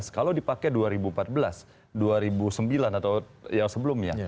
kalau dipakai dua ribu empat belas dua ribu sembilan atau yang sebelumnya